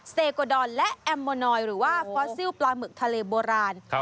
เซโกดอนและแอมโมนอยหรือว่าฟอสซิลปลาหมึกทะเลโบราณ